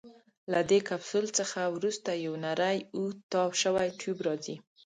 له دې کپسول څخه وروسته یو نیری اوږد تاو شوی ټیوب راځي.